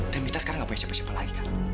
dan mita sekarang nggak punya siapa siapa lagi kak